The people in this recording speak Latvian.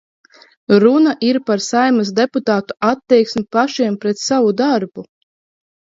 Runa ir par Saeimas deputātu attieksmi pašiem pret savu darbu.